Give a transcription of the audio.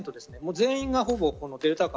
全員がほぼデルタ株。